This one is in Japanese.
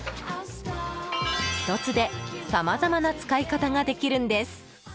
１つで、さまざまな使い方ができるんです。